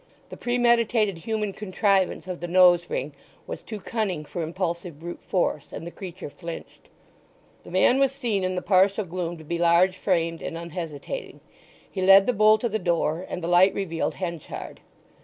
The premeditated human contrivance of the nose ring was too cunning for impulsive brute force, and the creature flinched. The man was seen in the partial gloom to be large framed and unhesitating. He led the bull to the door, and the light revealed Henchard.